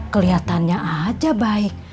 keliatannya aja baik